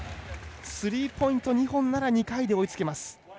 スリーポイント２本なら２回で追いつけます。